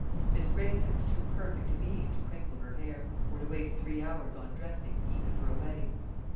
Miss Granger was too perfect a being to crinkle her hair, or to waste three hours on dressing, even for a wedding.